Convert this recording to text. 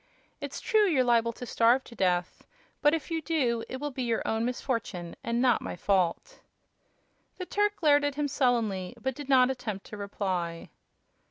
It's true you're liable to starve to death, but if you do it will be your own misfortune and not my fault." The Turk glared at him sullenly, but did not attempt to reply.